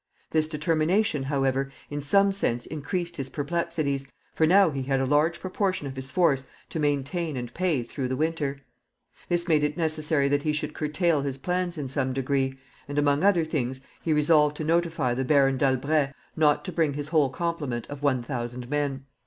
This determination, however, in some sense increased his perplexities, for now he had a large proportion of his force to maintain and pay through the winter. This made it necessary that he should curtail his plans in some degree, and, among other things, he resolved to notify the Baron D'Albret not to bring his whole complement of one thousand men.